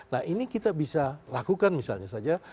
nah ini kita bisa lakukan misalnya saja